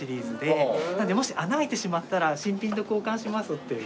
なのでもし穴開いてしまったら新品と交換しますっていう。